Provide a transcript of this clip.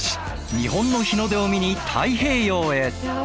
日本の日の出を見に太平洋へ！